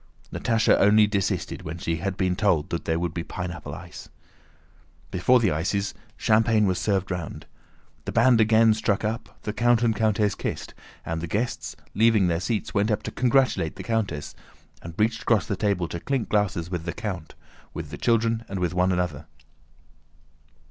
Natásha only desisted when she had been told that there would be pineapple ice. Before the ices, champagne was served round. The band again struck up, the count and countess kissed, and the guests, leaving their seats, went up to "congratulate" the countess, and reached across the table to clink glasses with the count, with the children, and with one another.